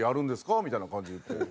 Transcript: みたいな感じで言って。